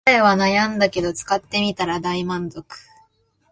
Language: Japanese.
買う前は悩んだけど使ってみたら大満足